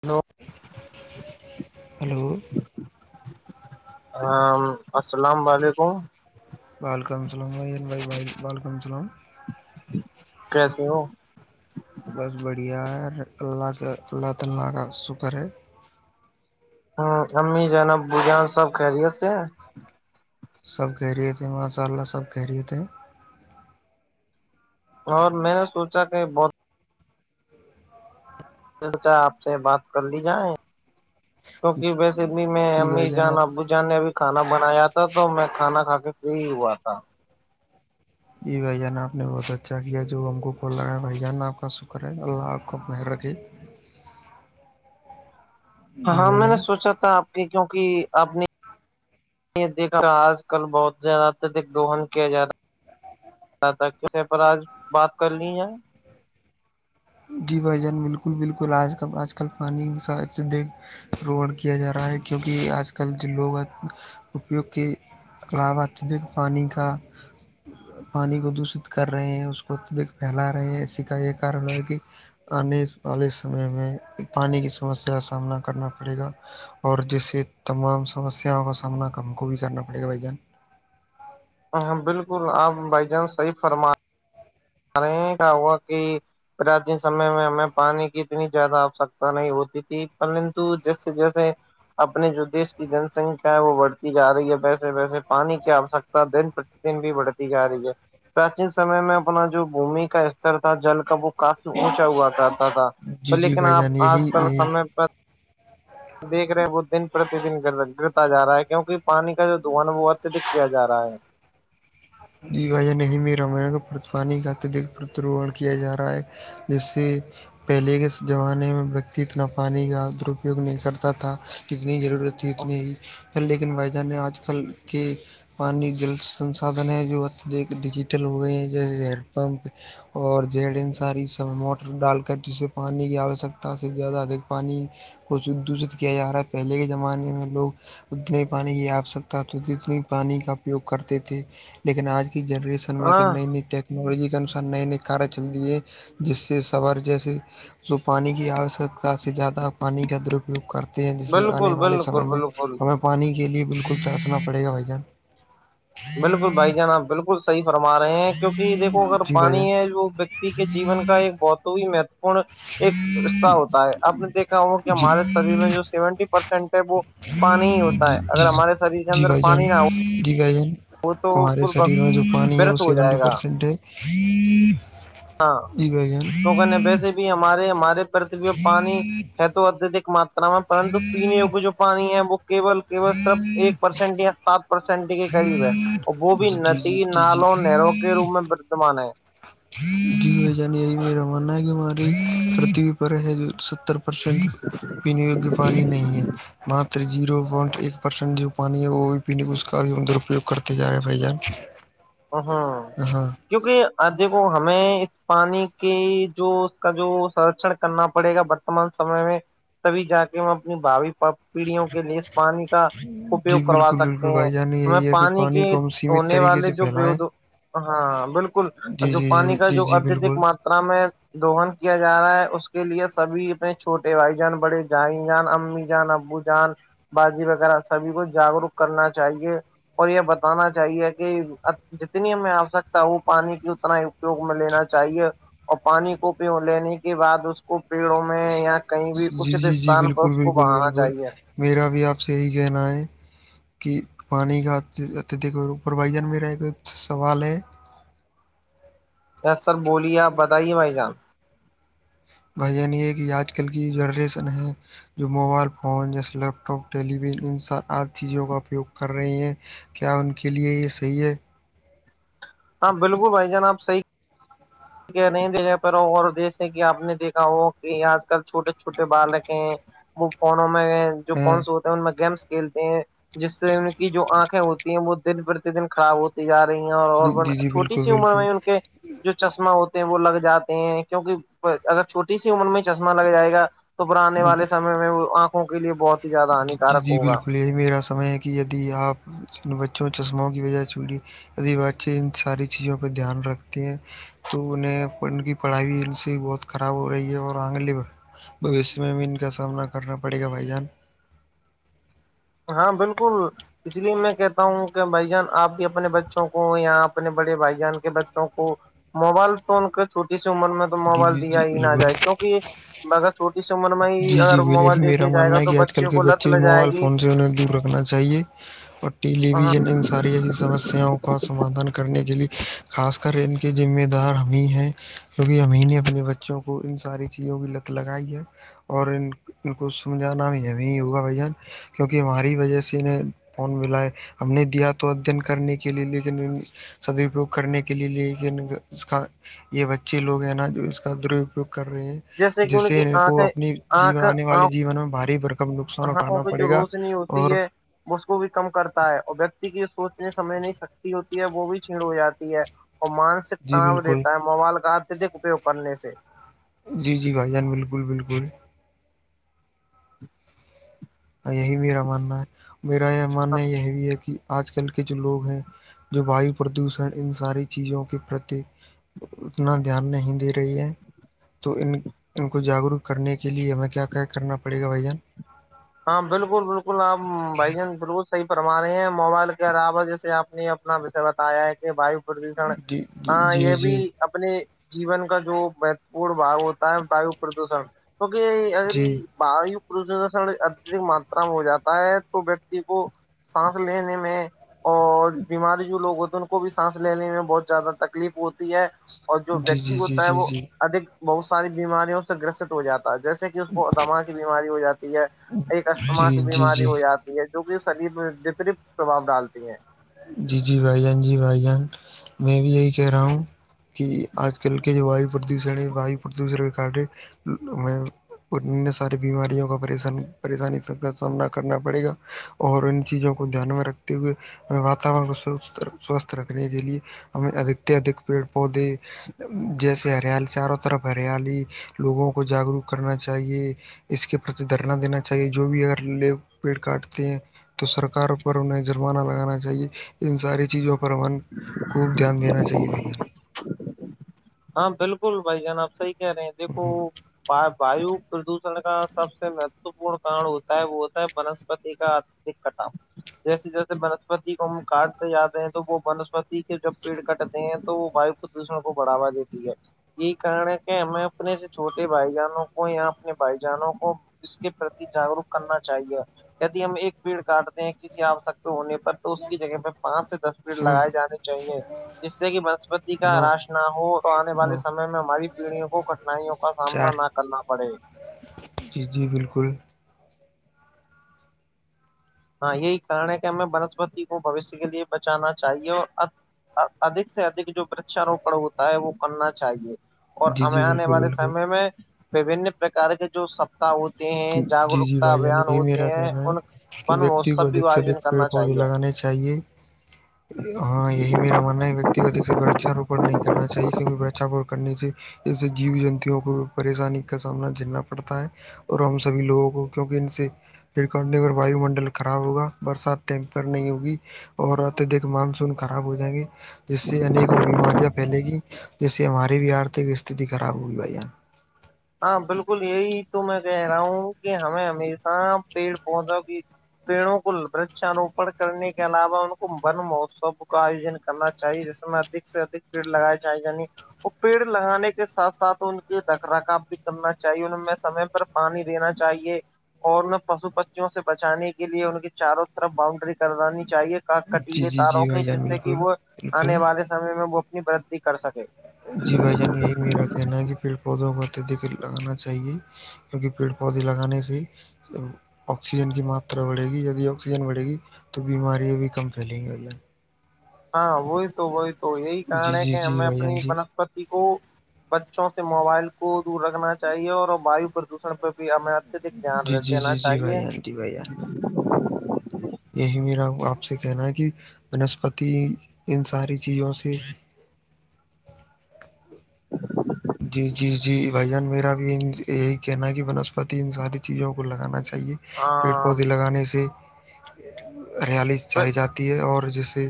hello hello ہاں السلام علیکم بالکنسلم و بائی ب بالکنسلم کیسے ہو بہت بڑھیا ہے اللہ اللہ تعالا کا شکر ہے ہ امی جنب ب جان سب کہ رہیے سے سب کہہ رہے تھے ماشاء اللہ سب کہہ رہے تھے اور میں نے سوچا کہ بہت چچا آپ سے بات کر لی جائیں کیوںکہ ویسے بھی میں جی امی بھائی جان جانا آپ بجھ جان نے ابھی کھانا بنایا تھا تو میں کھانا کھا کے پری ہی ہوا تھا جی بھائی جان آپ نے بہت اچھا کیا جو ہم کو کال لگایا بھائی جان آپ کا شکر ہے اللہ آپ کو اپ مہر رکھے جی ہاں بھائی میں نے جان سوچا تھا آپ کی کیوںکہ آپ نے یہ دیکھ آج کل بہت زیادہ اتدک دہن کیا جا رہا ہے ز کسی پر آج بات کرنی ہے جی بھ جان بالکل بالکل آج کل آج کل پانی سے دیکھ روہن کیا جا رہا ہے کیونکہ آج کل جو لوگ ہیں اپیوگ کے قلاب آتی تھی کہ پانی کا پانی کو دوشت کر رہے ہیں اس کو اتدک پھیلا رہے ہیں ایسی کا یہ کارل ہے کہ آنے والے سمے میں پانی کی سمسیا کا سامنا کرنا پڑے گا اور جیسے تمام سمسیاؤں کا سامنا ہم کو بھی کرنا پڑے گا بھائی جان ہ بالکل آپ بھائی جان صحیح فرما کررے گ ہوا کہ پراچیین سمے میں ہمیں پانی کی اتنی زیادہ آوشکتا نہیں ہوتی تھی پرتو جیسے جیسے اپنے جو دیش کی جن سنکھیا ہے وہ بڑھتی جا رہی ہے ویسے ویسے پانی کی آوشکتا دن پر ن بھی بڑھتی جا رہی ہے پراچینن سمے میں اپنا جو بھمی کا استر تھا جل کا وہ کافی اونچا ہوا کرتا تھا جی تو جی لیکن بھائی جان آپ آج کل یہی سمے پر دیکھ رہے ہیں وہ دن پرتی دن گرتا جا رہا ہے کیونکہ پانی کا جو دھو ہے وہ اتیہدک کیا جا رہا ہے وج نہیں میں رامائ کا پر پانی کا اتدک پرتاروہن کیا ج رہا ہے جیسے پہلے کے زمانے میں ویکتی اتنا پانی کا درپیوگ نہیں کرتا تھا کتنی ضرور رہتی اتنی ہی ہے لیکن وائد آج کل کے پانی جل سنسادھن ہیں جو ڈیجیٹل ہو گئے ہیں جیسے ہینڈ پمپ اور ج ان ساری س موٹر ڈال کر جسے پانی کی آوشکتا سے زیادہ ادھک پانی کو دوشت کیا جا رہا ہے پہلے کے زمانے میں لوگ اتنے پانی کی آوشکتا تو جتنے پانی کا اپیوگ کرتے تھے لیکن آج جنرریشن میں کہ ہاں نئی نئی ٹیکس ٹیکنالوجی کے انوسار نئے نئے کار چل دی ہے جس سے سوار جیسے وہ پانی کی آوشکتا سے زیادہ پانی کا درپیوگ کرتا جسے آنے بالکل والے بالکل سمے میں بالکل ہمیں پانی کے لیے بالکل ترسنا پڑے گا وان بالکل بھائی جان آپ بالکل صحیح فرما رہے ہیں کیوںک دیکھو اگر جی بھائی پانی جان ہے جو کے جیون کا ایک بہت ہی مہتوپورن ایک رہ ہوتا ہے آپ نے دیکھا ہو کہ ہمارے شریر میں جو سیونٹی پرسینٹ ہے وہ پانی ہی ہوتا ہے اگر ہمارے شریر کے دی ب اندر جان پانی نہ ہو دی با جان ہمارے بالکل شریر میں جو پانی ہے وہ ورت ہو سیونٹی جائے گا پرسینٹ ہے ہاں جی بھائی جان توکن ویسے بھی ہمارے ہمارے کرتی ہو پانی ہے تو اتدک ماتا پرنت پینےگ جو پانی ہے وہول کےول صرف ایک پرسینٹ یا سات پرسینٹ کے قریب ہے اور وہ بھی جی جی ندی جی جی نالوں نہروں کے جی روپ میں ورتمان ہے جی جان یہی میرا ماننا ہے کہ ہماری پتھوی پر ہے جو ستر پر شریف ونییوگی پانی نہیں ہے مہ زیرو پوائنٹ ایک پرسینٹ جو پانی ہے وہ بھی پینے کا اس کا بھی اندرپیوگ کرتے جا رہ ہیں بھائی جان ہاں ہاں کیونکہ دیکھو ہمیں اس پانی کے جو اس کا جو سرشن کرنا پڑے گا تمان سمے میں تبھی جا کے میں اپنی بھابی پیڑھیوں کے لیے پانی کا اپیوگ جی کروا بالکل بالکل سکتے ہیں بھائی جان ہم یہی ہے کہ پانی کے کو ہم سیمت ہونے طریقے والے سے جو پھیلائیں ہاں بالکل جی جو جی پانی جی کا جی جو جی اتدک بالکل ماترا میں دوہن کیا جا رہا ہے اس کے لیے سبھی اپنے چھوٹے بھائی جان بڑے جائی جان امی جان بو جان بازی وغیرہ سبھی کو جاگروک کرنا چاہیے اور یہ بتانا چاہیے کہ جتنی میں آ سکتا ہوں پانی کی اتنا ہی اپیوگ میں لینا چاہیے اور پانی کو پ لینے کے بعد اس کو پیڑوں میں یا کہیں بھی جی اچت جی جی استھان پر بالکل اس کو بالکل بنانا بالکل چاہیے میرا بھی آپ سے یہی کہنا ہے کہ پانی کا اتدھک پروائزن میں رہے گ سوال ہے یس سر بولیے آپ بتائیے بھائی جان بھان یہ کہ آج کل کی جنریسن ہے جو موبائل فون جیسے لیپ ٹاپ ٹیلی ویژن ان سب آد چیزوں کا اپیوگ کر رہے ہیں کیا ان کے لیے یہ صحیح ہے ہاں بالکل بھائی جان آ صحیح نہیں دنے پرا اور دیش ہیں کہ آپ نے دیکھا ہو کہ آج کل چھوٹے چھوٹے بالک ہیں وہ فونوں میں جو ہے فونس ہو ان میں گیمس کھیلتے ہیں جس سے ان کی جو آنکھیں ہوتی ہیں وہ دن پر دن خراب ہوتی جا رہی ہیں اور جی جی چھوٹی بالکل سی عمر بالکل میں ان کے جو چشمہ ہوتے ہیں وہ لگ جاتے ہیں کیونکہ اگر چھوٹی سی عمر میں چشمہ لگ جائے گا تو بھراننے والے سمے میں وہ آنکھوں کے لیے بہت ہی زیادہ جی ہانیکارک جی ہوگا بالکل میرا سمے ہے کہ یدی آپ بچوں چشموںوں کی وجہ سے چی آدی واسی ان ساری چیزوں پہ دھیان رکھتے ہیں تو انہیں ان کی پڑھائی بھی ان سے بہت خراب ہو رہی ہے اور آنگل بوشیہ میں بھی ان کا سامنا کرنا پڑے گا بھائی جان ہاں بالکل اس لیے میں کہتا ہوں کہ بھائی جان آپ بھی اپنے بچوں کو یا اپنے بڑے بھائی جان کے بچوں کو موبائل تو ان کو چھوٹی سی عمر میں تو جی موبائل جی دیا جی ہی نہ بالکل جائے کیونکہ یہ مگر چھوٹی س عمر میں ہی جی اگر جی یہی موبائل دے میرا دیا جائے گا تو بچوں کو لت لگ جائے گی یں دور رکھنا چاہیے اور ٹیلی ہاں ویژن ان ساری ایسی سمسیاؤں کو سمادھان کرنے کے لیئے خاص کر ان کے ذمہ دار ہمیں ہیں کیونکہ ایں نے اپنے بچوں کو ان ساری چیزوں کی لت لگائی ہے اور ان ان کو سمجھانا بھی ہوگا بھائی جان کیونکہ ہماری وجہ سے انیں فون ملائے ہم نے دیا تو ادن کرنے کے لیے لیکن سدپیوگ کرنے کے لیے لے یہ بچے لوگ ہیں نا جو اس کا درپیوگ کر رہے ہیں جیسے جس کہ سے کہ ان کو اپنی جی آنے والے جیون میں باری بھرکم نقصان اٹھانا پڑے گا اور وہ اس کو بھی کم کرتا ہے اور ویکتی کی سوچنے سمجھ نہیں سکتی ہوتی ہے وہ بھی چھیڑ ہو جاتی ہے اور مانسک جی تناؤ بالکل دیتا ہے موال کا اتدک اپیوگ کرنے سے جی جی بھائی جان بالکل بالکل [unintelligible] یہی میرا ماننا ہے میرا یہ ماننا یہ بھی ہے کہ آج کل کے جو لوگ ہیں جو وایو پردوشن ان ساری چیزوں کے پرتی اتنا دھیان نہیں دے رہی ہے تو ان ان کو جاگروک کرنے کے لیے ہمیں کیا کیا کرنا پڑے گا بھائی جان ہاں بالکل بالکل آپ بھائی جان بالکل پرمانے ہیں موبائل کے علاو جیسے آپ نے اپنا وشے بتایا ہے کہ وائیو جی جی یہ بھی جی اپنے جیون کا جو مہتوپورن بھاؤ ہوتا ہے وایو پردوشن کیکہ جی باہر ہیو پو س ا ماترا میں ہو جاتا ہے تو ویکتی کو سانس لینے میں اور بیماری جو لوگ ہوتے ہیں ان کو بھی سانس لینے میں بہت زیادہ تکلیف ہوتی ہے اور جو جی ویکتی جی جی ہوتا ہے جی وہ جی ادک بہت ساری بیماریوں سے گرست ہو جاتا ہے جیسے کہ اس کو دما کی بیماری ہو جاتی ہے ایک استتھما جی کی جی بیماری جی ہو جاتی ہے جو کہ شریر میں وترت پرباؤ ڈالتی ہیں جی جی بھائی جان جی بھائی جان میں بھی یہی کہہ رہا ہوں کہ آج کل کے جو وایو پردوشن ہے وایو پردوشن کارڈ ہے وہ اور ن ساری بیماریوں کاش پریشانی س کا سامنا کرنا پڑے گا اور ان چیزوں کو دھیان میں رکھتے ہوئے ہم واتاورن کو سوستھ رکھنے کے لیے ہمیں ادک سے ادھک پیڑ پودے جیسے ہریالی چاروں طرف ہریالی لوگوں کو جاگروک کرنا چاہیے اس کے پرتی دھرنا دینا چاہیے جو بھی اگر ل پیڑ کاٹتے ہیں تو سرکار پر انہیں جرمانہ لگانا چ چاہیے ان ساری چیزوں پر من خوب دھیان دینا چاہیے بان ہاں بالکل بھائی جان آپ صحی کہہ رہے ہیں دیکھو وایو پردوشن کا سب سے مہتوپورن کڈ ہوتا ہے وہ ہوتا ہے بنسپتی کا دقٹ آ جیسے جیسے بنسپتی کو ہم کاٹتے جاتے ہیں تو وہ ونسپتی کے جب پیڑ کٹتے ہیں تو وہ واو دوشروں کو بڑا دی یہی کارن ہے کہ ہمیں اپنے سے چھوٹے بھائی جانوں کو یا اپنے بھائی جانوں کو اس کے پرتی جاگروک کرنا چاہیے یدی ہم ایک پیڑ کاٹتے ہیں کسی آشکت ہونے پر تو اس کی جگہ میں پانچ سے تصویر لگائے جانانی چاہیے جس سے کہ بنسپتی کا نو راش نہ ہو تو آنے نو والے سمے میں ہماری پیڑھیوں کو کٹھنائیوں کا سامنا چار نہ کرنا پڑے جی جی بالکل ہاں یہی کارن ہے کہ ہمیں بنسپتی کو بوشیہ کے لیے بچانا چاہیے اور ادک سے ادک جو پرچاروپڑ ہوتا ہے وہ کرنا چاہیے اور جی جی ہمیں آنے بالکل والے بالکل سمے میں وبن پرکار کے جو سب ہوتے ہیں جی جی جاگروکتا بھائی یعنی ابھیان یہی ہوتے میرا ہیں کہنا ہے ان ون مہوتسو بھی کو آیوجن کرنا چاہیے ہونے چاہیے ہ ہاں یہی میرا ماننا ہے وکتیگ د سے برکچاروپن نہیں کرنااہے کیونکہ وچھاروپ کرنے سے اس سے جیو جنتوں کو پریشانی کا سامنا کرنا پڑتا ہے اور ہم سبھی لوگوں کو کیونکہ ان سے پھرک نگر واو منڈل خراب ہوگا برسات ٹیمپر نہیں ہوگی اور آتے دیکھ مانسون خراب ہو جائیں گے جس سے انیکوں بیماریاں پھیلے گی جس سے ہماری بھی آرتھک استھتی خراب ہوگئی ب ہاں بالکل یہی تو میں کہہ رہا ہوں کہ ہمیں ہمیشہ پیڑ پودا کی پیڑوں کو وچاروپن کرنے کے علاوہ ان کو ون مہوتسو کا آیوجن کرنا چاہیے جس میں اک سے ادک پیڑ لگائے جائیں یعنی اور پیڑ لگانے کے ساتھ سات ان کے رکھ رکھا کرنا چاہیے ان میں سمے پر پانی دینا چاہیے اور انہیں پشو پچوں سے بچانے کے لیے ان کے چاروں طرف باؤنڈری کروانی چاہیے کا جی کٹیلے جی تاروں جی کی بھائی جان جس سے کہ بالکل وہ آنے بالکل والے سمے میں وہ اپنی وتی کر سکے جی بھائی جان یہی میرا کہنا ہے کہ پیڑ پودوں کاتے د لگانا چاہیے کیونکہ پیڑ پودے لگانے سے آکسیجن کی ماترا بڑھے گی ی آکسیجن بڑھے گی تو بیماریاں بھی کم پھیلیں گی بے ہاں ہوئی تو ہو تو یہ جی کرارنے جی کہ جی ایں بھائی جان اپنی جی بنا کو بچوں سے موبائل کو دور رکھنا چاہیے اور واو پر دش پہ بھی ہمیں اتدک دھیان جی جی دینا جی جی چاہیے بھائی جان جی بھائی جان یہی میرا آپ سے کہنا ہے کہ بنسپتی ان ساری چیزوں سے [unintelligible] جی جی جی بھائی جان میرا بھی ان یہی کہنا ہے کہ بنسپتی ان ساری چیزوں کو لگانا چاہیے ہاں پیڑ پودے لگانے سے ہریالی چائی جاتی ہے اور جس سے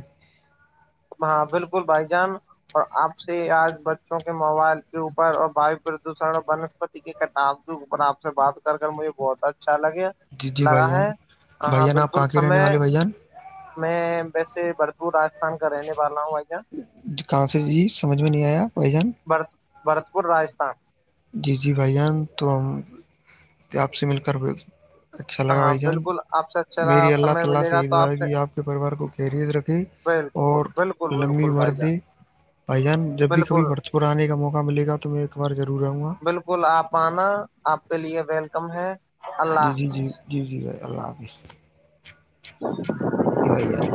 ہاں بالکل بھائی جان اور آپ سے آج بچوں کے موبائل کے اوپر اور واو پردوشن اور بنسپتی ٹھیک ہے کپ بھیناپ سے بات کر مجھے بہت اچھا لگے جی جی بھائی لگا جان ہے بھائی ہاں جان آپ بالکل کہاں کے رہنے سمے والے بھائی جان میں ویسے بھرپور راستھان کا رہنے والا ہوں آیا د کہاں سے جی سمجھ میں نہیں آیا بھ جان بر بھرتپور راجستھان جی جی بھائی جان تو ہم آپ سے مل کر [unintelligible] ہاں بالکل آپ سے اچھا رہا سمے ملے گا تو آپ سے اور بالکل بالکل لمبی بالکل بھائی جان مردیں بھائی جان جب بھی کبھی بالکل بڑھتا پرانے کا موقع ملے گا تو میں ایک بار ضرور رہوں گا بالکل آپ آنا آپ کے لیے ویلکم ہے جی اللہ جی جی حافظ جی جی بھائی اللہ حافظ جی بھائی یار